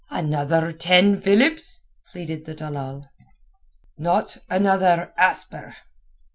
"Another ten philips?" pleaded the dalal. "Not another asper."